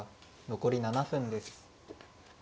残り７分です。